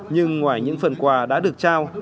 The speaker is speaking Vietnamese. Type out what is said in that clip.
nhưng ngoài những phần quà đã được trao